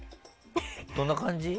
どんな感じ？